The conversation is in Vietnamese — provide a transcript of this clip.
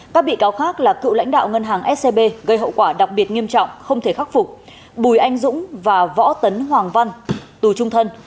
các bị cáo khác là cựu lãnh đạo ngân hàng scb gây hậu quả đặc biệt nghiêm trọng không thể khắc phục bùi anh dũng và võ tấn hoàng văn tù trung thân